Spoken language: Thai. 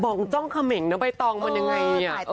บ่องจองเขมงเนอะไบตองมันยังไง